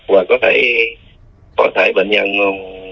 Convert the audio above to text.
và có thể bệnh nhân hô